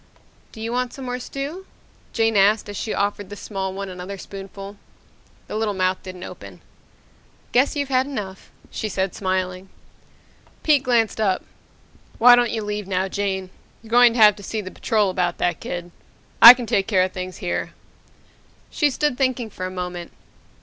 "Don't you want some more stew?" Jane asked as she offered the small one another spoonful. The little mouth didn't open. "Guess you've had enough," she said, smiling. Pete glanced up. "Why don't you leave now, Jane. You're going to have to see the Patrol about that kid. I can take care of things here." She stood thinking for a moment.